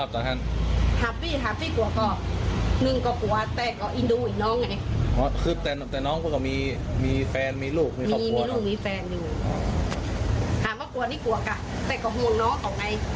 แต่น้องก็ก็มีแฟนมีลูกมีครอบครัวนะ